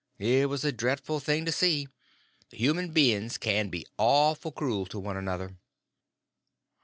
It was a dreadful thing to see. Human beings can be awful cruel to one another.